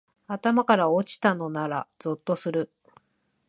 頭から落ちたのならゾッとする